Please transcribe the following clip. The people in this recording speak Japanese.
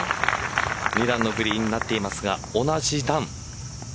２段のグリーンになっていますが同じ段。